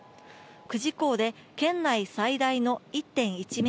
久慈港で県内最大の１．１ｍ。